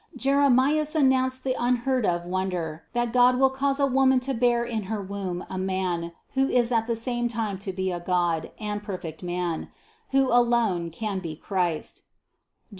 Jeremias announces the unheard of wonder, that God will cause a Woman to bear in her womb a man, who THE CONCEPTION 139 is at the same time to be a God and perfect man, who alone can be Christ (Jer.